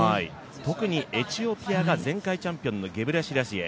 特にエチオピアが前回大会のゲブレシラシエ。